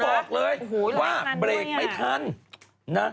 เขาบอกเลยว่าเบรกไม่ทัน